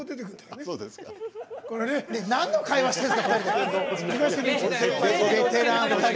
なんの会話してるんすか？